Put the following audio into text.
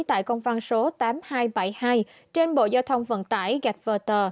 tại công văn số tám nghìn hai trăm bảy mươi hai trên bộ giao thông vận tải gạch vờ